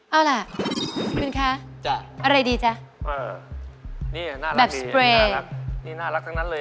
เอาล่ะอุณค่ะอะไรดีจ๊ะแบบสเปรย์นี่น่ารักทั้งนั้นเลย